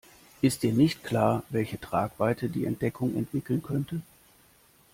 Ist dir nicht klar, welche Tragweite die Entdeckung entwickeln könnte?